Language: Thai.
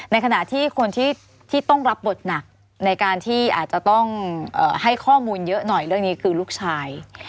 ในขณะที่คนที่ต้องรับบทหนักในการที่อาจจะต้องให้ข้อมูลเยอะหน่อยเรื่องนี้คือลูกชาย